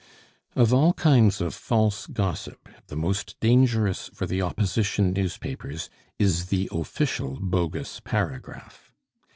Of all kinds of false gossip, the most dangerous for the Opposition newspapers is the official bogus paragraph.